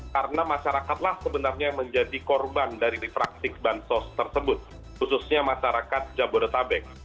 karena masyarakatlah sebenarnya yang menjadi korban dari refraksi bantos tersebut khususnya masyarakat jabodetabek